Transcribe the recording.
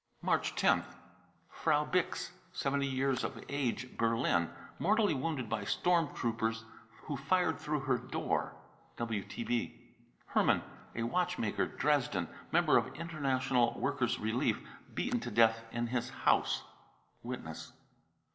March 10th. frau bigks, 70 years of age, Berlin, mortally wounded by storm troopers who fired through her door. {WTB.) Hermann, a watchmaker, Dresden, member of International Workers' Relief, beaten to death in his house. (Witness.)